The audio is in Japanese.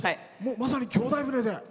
まさに「兄弟船」で。